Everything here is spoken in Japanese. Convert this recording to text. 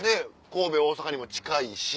神戸大阪にも近いし。